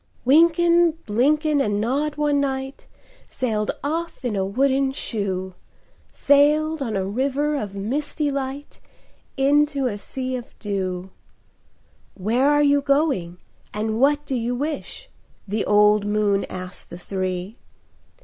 Wynken, Blynken, and Nod one night Sailed off in a wooden shoe,— Sailed on a river of crystal light Into a sea of dew. "Where are you going, and what do you wish?" The old moon asked the three.